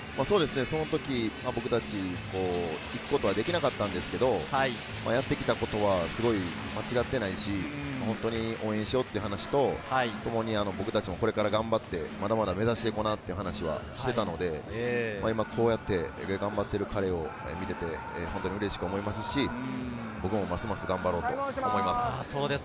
そのとき僕達、行くことはできなかったんですけれど、やってきたことは間違っていないし、応援しようという話と僕たちもこれから頑張って、まだまだ目指していこうという話をしていたので、こうやって頑張っている彼を見ていて本当にうれしく思いますし、僕もますます頑張ろうと思います。